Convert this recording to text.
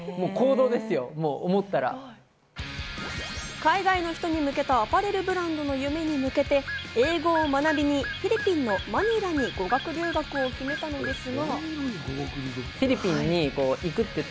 海外の人に向けたアパレルブランドの夢に向けて、英語を学びにフィリピンのマニラに語学留学を決めたのですが。